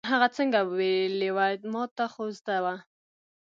هغه څنګه ویلې وه، ما ته خو زده وه.